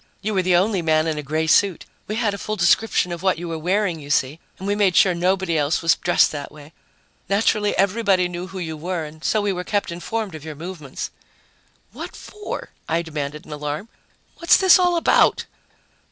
"You were the only man in a gray suit. We had a full description of what you were wearing, you see, and we made sure nobody else was dressed that way. Naturally, everyone knew who you were, and so we were kept informed of your movements." "What for?" I demanded in alarm. "What's this all about?"